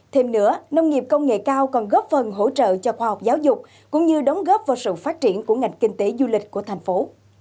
thêm nữa nông nghiệp công nghệ cao còn góp phần hỗ trợ cho khoa học giáo dục cũng như đóng góp vào sự phát triển của ngành kinh tế du lịch của thành phố